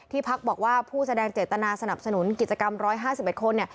พักบอกว่าผู้แสดงเจตนาสนับสนุนกิจกรรม๑๕๑คน